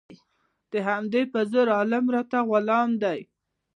د همدې په زور عالم راته غلام دی